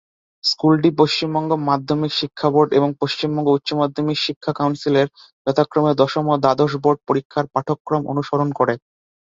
স্কুলটি পশ্চিমবঙ্গ মাধ্যমিক শিক্ষা বোর্ড এবং পশ্চিমবঙ্গ উচ্চ মাধ্যমিক শিক্ষা কাউন্সিলের যথাক্রমে দশম ও দ্বাদশ বোর্ড পরীক্ষার পাঠ্যক্রম অনুসরণ করে।